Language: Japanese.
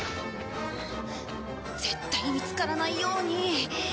絶対見つからないように。